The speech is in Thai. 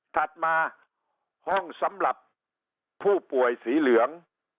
ถัดมาห้องสำหรับผู้ป่วยสีเหลือง